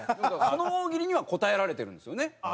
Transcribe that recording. その大喜利には答えられてるんですよね。